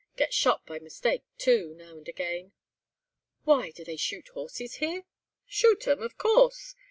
Get shot by mistake, too, now and again." "Why! do they shoot horses here?" "Shoot 'em, of course!